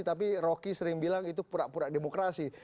tapi rocky sering bilang itu pura pura demokrasi